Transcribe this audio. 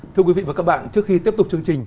thưa quý vị và các bạn trước khi tiếp tục chương trình